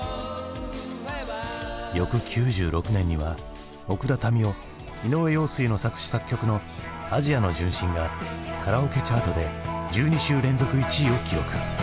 翌９６年には奥田民生井上陽水の作詞・作曲の「アジアの純真」がカラオケチャートで１２週連続１位を記録。